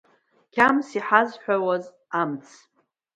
Кьамс иҳазҳәауаз амц…